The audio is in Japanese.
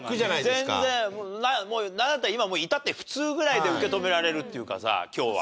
もうなんだったら今至って普通ぐらいで受け止められるっていうかさ今日は。